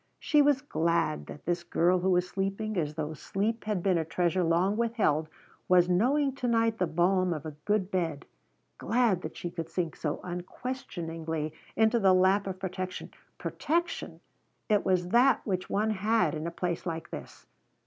She was glad that this girl who was sleeping as though sleep had been a treasure long withheld, was knowing to night the balm of a good bed, glad that she could sink so unquestioningly into the lap of protection. Protection! it was that which one had in a place like this.